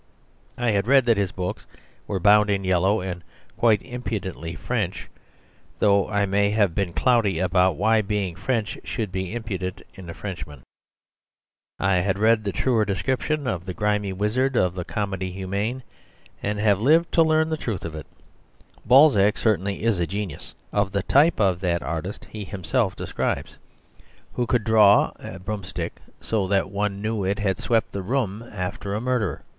I had read that his books were bound in yellow and "quite impudently French"; though I may have been cloudy about why being French should be impudent in a Frenchman. I had read the truer description of "the grimy wizard of the Comedie Hu mainey and have lived to learn the truth of it; Balzac certainly is a genius of the type of 40 The Superstition of Divorce 41 that artist he himself describes, who could draw a broomstick so that one knew it had swept the room after a murder.